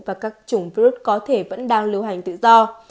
và các chủng virus có thể vẫn đang lưu hành tự do